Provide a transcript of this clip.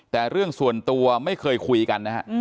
แต่เรื่องส่วนตัวไม่เคยคุยกันนะฮะ